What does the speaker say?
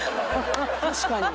確かに。